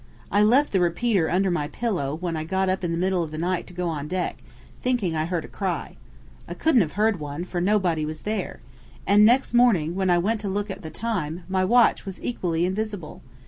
I left the repeater under my pillow when I got up in the middle of the night to go on deck, thinking I heard a cry. I couldn't have heard one, for nobody was there. And next morning, when I wanted to look at the time, my watch was equally invisible.